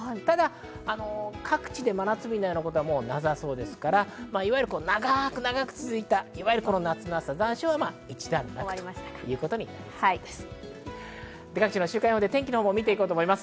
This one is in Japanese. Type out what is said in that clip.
ただ各地で真夏日になることはなさそうですから、長く続いた、いわゆる夏の暑さ、残暑は一段落ということになりそうです。